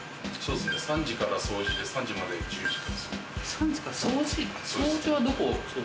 ３時から掃除で３時まで自由時間。